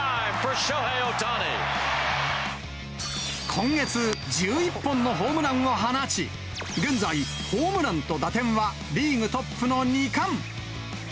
今月１１本のホームランを放ち、現在、ホームランと打点はリーグトップの２冠。